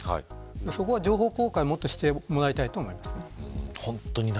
そこは情報公開をもっとしてもらいたいと思います。